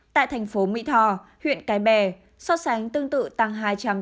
tại thành phố mỹ tho huyện cái bè so sánh tương tự tăng hai trăm tám mươi ba ba